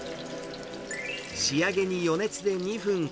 仕上げに余熱で２分。